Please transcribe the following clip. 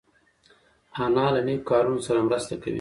انا له نیکو کارونو سره مرسته کوي